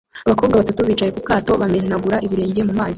Abakobwa batatu bicaye ku kato bamenagura ibirenge mu mazi